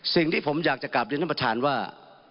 สิ่งที่ผมอยากจะกราบเรียนธรรมฐานว่า